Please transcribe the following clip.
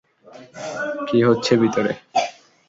কি হচ্ছে ভিতরে?